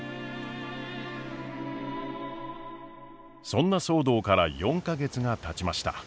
そんな騒動から４か月がたちました。